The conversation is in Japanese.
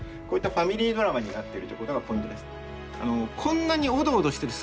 こういったファミリードラマになってるということがポイントです。